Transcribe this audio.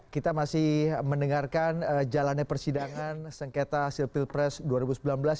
kita masih mendengarkan jalannya persidangan sengketa hasil pilpres dua ribu sembilan belas